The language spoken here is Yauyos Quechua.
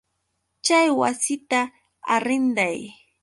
Chay wasita arrinday.